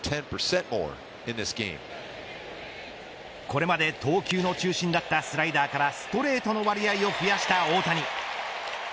これまで投球の中心だったスライダーからストレートの割合を増やした大谷。